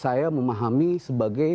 saya memahami sebagai